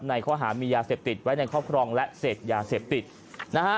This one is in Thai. ในข้อหามียาเสพติดไว้ในครอบครองและเสพยาเสพติดนะฮะ